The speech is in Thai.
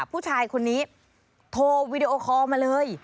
ผู้ชายคนนี้โทรวีดีโอคอลมาเลย